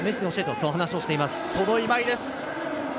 その今井です。